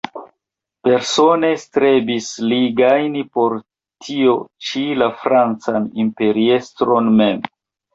Persone strebis li gajni por tio ĉi la francan imperiestron mem.